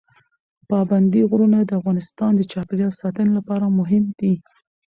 پابندی غرونه د افغانستان د چاپیریال ساتنې لپاره مهم دي.